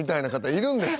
いるんです。